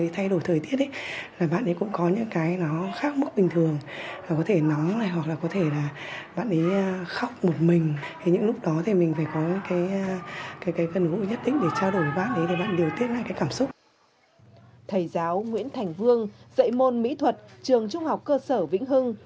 thầy giáo nguyễn thành vương dạy môn mỹ thuật trường trung học cơ sở vĩnh hưng